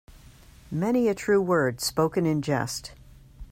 Many a true word spoken in jest.